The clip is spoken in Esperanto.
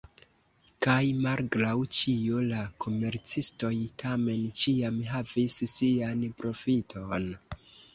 Kaj, malgraŭ ĉio, la komercistoj tamen ĉiam havis sian profiton!